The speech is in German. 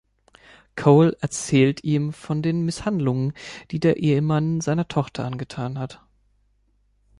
Cole erzählt ihm von den Misshandlungen, die der Ehemann seiner Tochter angetan hat.